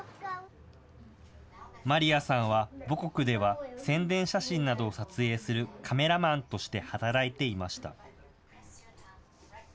マリアさんは母国では宣伝写真などを撮影するカメラマンとして働いていました。